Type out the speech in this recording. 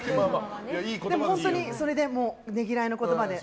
本当にそれでねぎらいの言葉で。